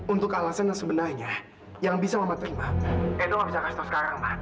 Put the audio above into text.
untuk alasan yang sebenarnya yang bisa mama terima edo nggak bisa kasih tau sekarang ma